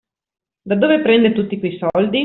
Da dove prende tutti quei soldi?